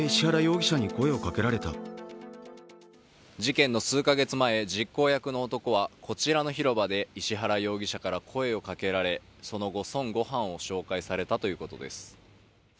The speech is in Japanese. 事件の数か月前、実行役の男はこちらの広場で石原容疑者から声をかけられ、その後、孫悟飯を紹介されたということです。